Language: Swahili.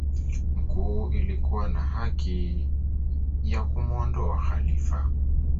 mkuu ilikuwa na haki ya kumwondoa Khalifa